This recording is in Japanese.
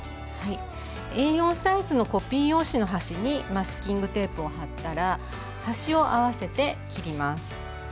はいＡ４サイズのコピー用紙の端にマスキングテープを貼ったら端を合わせて切ります。